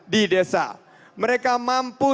di desa mereka mampu